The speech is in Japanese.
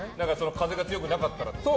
風が強くなかったらってこと？